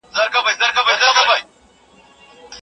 د سکرین رڼا سترګې خرابوي.